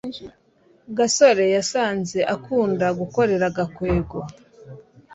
gasore yasanze akunda gukorera gakwego